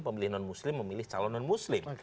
pemilih non muslim memilih calon non muslim